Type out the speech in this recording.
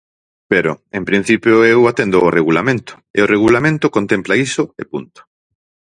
Pero, en principio, eu atendo o Regulamento, e o Regulamento contempla iso e punto.